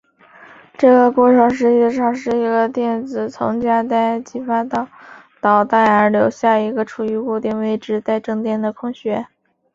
这个过程实际上是一个电子从价带激发到导带而留下一个处于固定位置带正电的空穴。